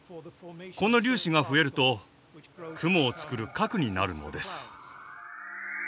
この粒子が増えると雲を作る核になるのです。